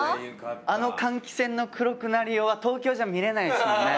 あの換気扇の黒くなりようは東京じゃ見れないですもんね。